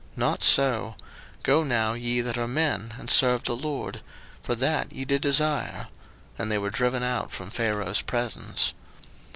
02:010:011 Not so: go now ye that are men, and serve the LORD; for that ye did desire. And they were driven out from Pharaoh's presence.